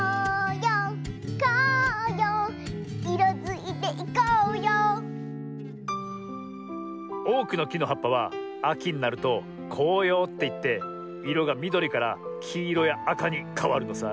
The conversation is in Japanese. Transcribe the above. ようこうよういろづいていこうようおおくのきのはっぱはあきになると「こうよう」っていっていろがみどりからきいろやあかにかわるのさ。